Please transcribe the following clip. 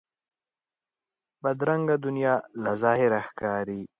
بدرنګه دنیا له ظاهره ښکاري